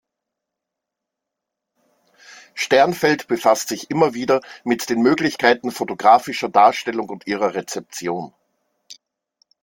Sternfeld befasst sich immer wieder mit den Möglichkeiten fotografischer Darstellung und ihrer Rezeption.